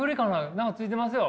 何かついてますよ。